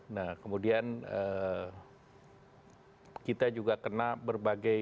nah kemudian kita juga kena berbagai